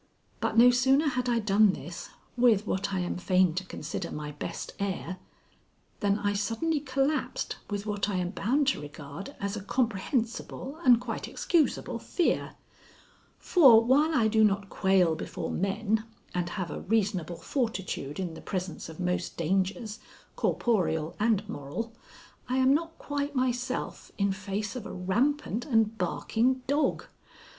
But no sooner had I done this, with what I am fain to consider my best air, than I suddenly collapsed with what I am bound to regard as a comprehensible and quite excusable fear; for, while I do not quail before men, and have a reasonable fortitude in the presence of most dangers, corporeal and moral, I am not quite myself in face of a rampant and barking dog.